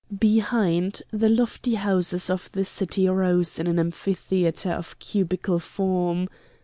Behind, the lofty houses of the city rose in an ampitheatre of cubical form.